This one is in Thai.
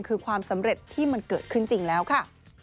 คือความสำเร็จที่มันเกิดขึ้นจริงแล้วค่ะ